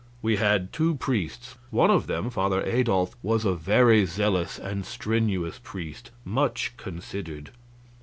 We had two priests. One of them, Father Adolf, was a very zealous and strenuous priest, much considered.